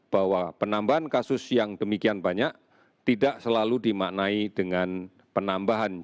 bahwa penambahan kasus yang demikian banyak tidak selalu dimaknai dengan penambahan